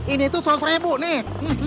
ini tuh soal seribu nih